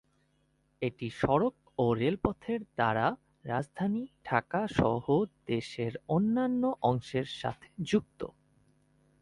এটি সড়ক ও রেলপথের দ্বারা রাজধানী ঢাকাসহ দেশের অন্যান্য অংশের সাথে যুক্ত।